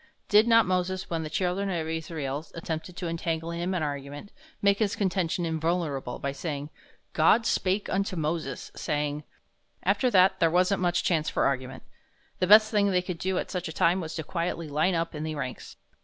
Did not Moses, when the children of Israel attempted to entangle him in argument, make his contention invulnerable by stating, "God spake unto Moses, saying, " After that there wasn't much chance for argument. The best thing they could do at such a time was to quietly line up in the ranks.